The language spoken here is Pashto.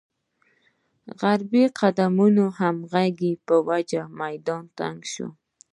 غربې قدرتونو همغږۍ په وجه میدان تنګ شوی.